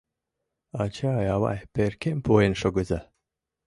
Ачай, авай, перкем пуэн шогыза...